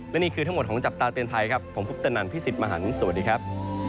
และนี่คือทั้งหมดของจับตาเตือนภัยครับผมคุปตนันพี่สิทธิ์มหันฯสวัสดีครับ